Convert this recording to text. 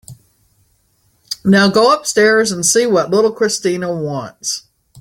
Now go upstairs and see what little Christina wants.